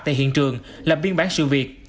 tại hiện trường làm biên bản sự việc